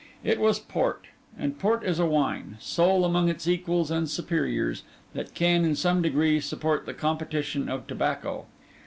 It was port; and port is a wine, sole among its equals and superiors, that can in some degree support the competition of tobacco.